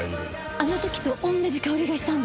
「あの時と同じ香りがしたんです」